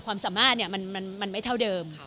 ความสามารถมันไม่เท่าเดิม